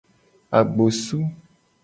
Agbosu.